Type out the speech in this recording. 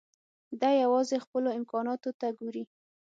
دی يوازې خپلو امکاناتو ته ګوري.